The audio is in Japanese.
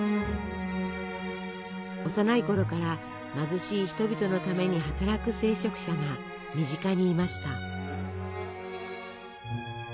幼いころから貧しい人々のために働く聖職者が身近にいました。